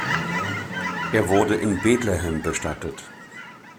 Er wurde in Betlehem bestattet.